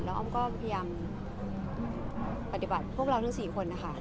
แล้วมันก็พยายามผลิปรัปติบัติพวกเราทั้งสี่คนนะคะ